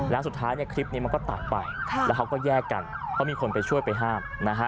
แล้วสุดท้ายคลิปนี้มันก็ตัดไปแล้วเขาก็แยกกันเพราะมีคนไปช่วยไปห้ามนะฮะ